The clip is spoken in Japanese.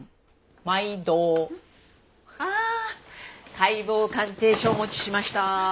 解剖鑑定書をお持ちしました。